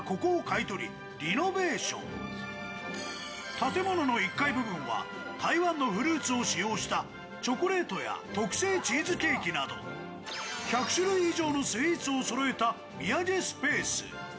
建物の１階部分は台湾のフルーツを使用したチョコレートや特製チーズケーキなど、１００種類以上のスイーツをそろえた土産スペース。